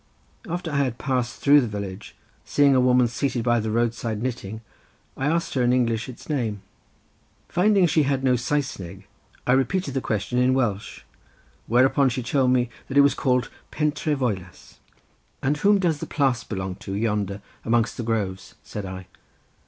After I had passed through the village, seeing a woman seated by the roadside knitting, I asked her in English its name. Finding she had no Saesneg I repeated the question in Welsh, whereupon she told me that it was called Pentre Voelas. "And whom does the 'Plas' belong to yonder amongst the groves?" said I.